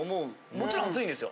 もちろん暑いんですよ。